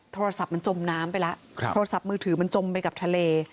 โทรศัพท์มันจมน้ำไปแล้วโทรศัพท์มือถือมันจมไปกับทะเล